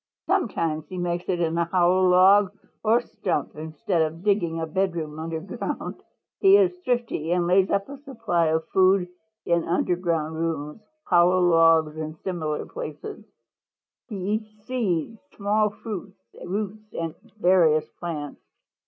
Sometimes he makes it in a hollow log or stump instead of digging a bedroom under ground. He is thrifty and lays up a supply of food in underground rooms, hollow logs and similar places. He eats seeds, small fruits, roots and various plants.